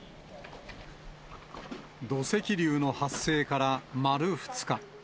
土石流の発生から丸２日。